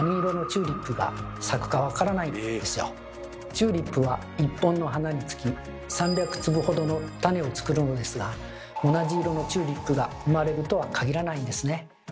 チューリップは一本の花につき３００粒ほどの種をつくるのですが同じ色のチューリップが生まれるとは限らないんですね。